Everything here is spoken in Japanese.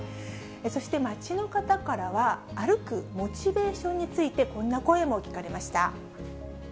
そして、街の方からは、歩くモチベーションについて、こんな声も聞かれました。